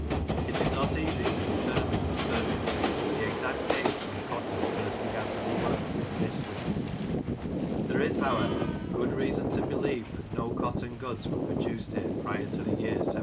It is not easy to determine with certainty the exact date when cotton first began to be worked in the district; there is, RossendaU: Past and Present 85 however, good reason to believe that no cotton goods were produced here prior to the year 1770.